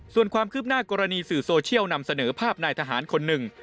ส่วนความคืบหน้ากรณีสื่อโซเชียลนำเสนอภาพนายทหารคนหนึ่ง